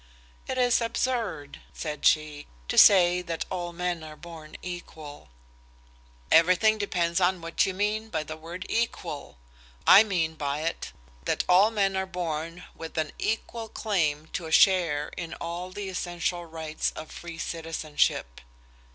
"It is absurd," said she, "to say that all men are born equal." "Everything depends on what you mean by the word 'equal.' I mean by it that all men are born with an equal claim to a share in all the essential rights of free citizenship.